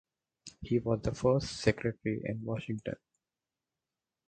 He was the first secretary in Washington.